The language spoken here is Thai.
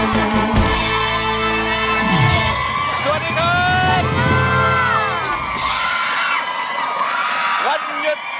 ร้องได้ให้ร้อง